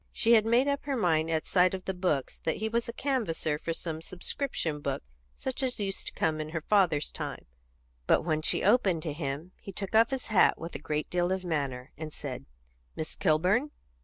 She had made up her mind, at sight of the books, that he was a canvasser for some subscription book, such as used to come in her father's time, but when she opened to him he took off his hat with a great deal of manner, and said "Miss Kilburn?"